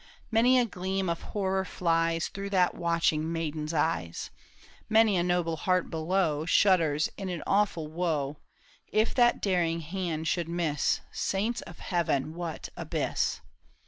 Many a gleam of horror flies Through that watching maiden's eyes ; Many a noble heart below Shudders in an awful woe — If that daring hand should miss, Saints of Heaven, what abyss